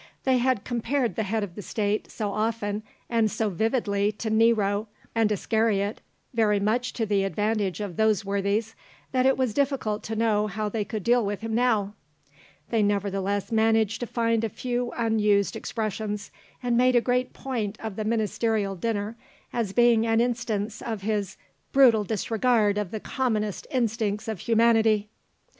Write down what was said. They had compared the Head of the State so often and so vividly to Nero and Iscariot, very much to the advantage of those worthies, that it was difficult to know how they could deal with him now. They nevertheless managed to find a few unused expressions, and made a great point of the Ministerial dinner as being an instance of his "brutal disregard of the commonest instincts of humanity."